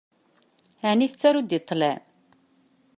Ɛni tettaruḍ deg ṭṭlam?